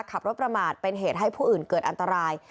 ขับรถประมาทเป็นเหตุให้ผู้อื่นเกิดอันตราย